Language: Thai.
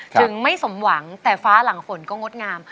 ถึงไม่สมหวังแต่ฟ้าหลังฝนก็งดงาม